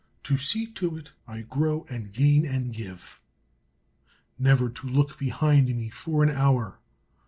To see to it I grow and gain and give! Never to look behind me for an hour!